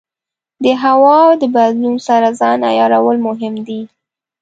د هوا د بدلون سره ځان عیارول مهم دي.